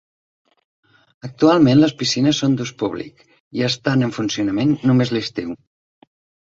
Actualment les piscines són d'ús públic i estan en funcionament només a l'estiu.